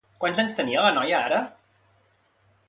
Quants anys tenia la noia ara?